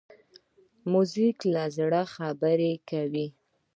موزیک له زړه خبرې کوي.